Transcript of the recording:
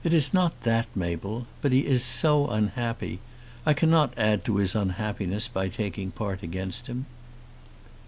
"It is not that, Mabel. But he is so unhappy. I cannot add to his unhappiness by taking part against him."